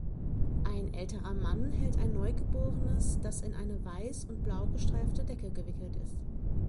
Ein älterer Mann hält ein Neugeborenes, das in eine weiß und blau gestreifte Decke gewickelt ist.